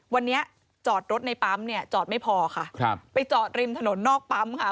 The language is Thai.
วันนี้จอดรถในปั๊มเนี่ยจอดไม่พอค่ะครับไปจอดริมถนนนอกปั๊มค่ะ